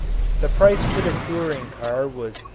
The price for the touring car was $850.